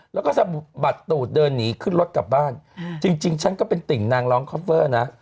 แล้วก็สะบัดตูดเดินหนีขึ้นรถกลับบ้านจริงฉันก็เป็นติ่งนางร้องคอฟเฟอร์นะ